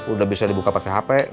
udah bisa dibuka pakai hp